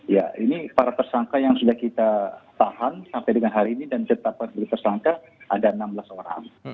ya ini para tersangka yang sudah kita tahan sampai dengan hari ini dan tetap tersangka ada enam belas orang